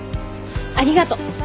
ありがと。